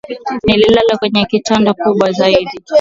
Nililala kwenye kitanda kubwa zaidi